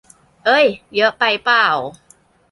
เอ้ย เยอะไปป่าว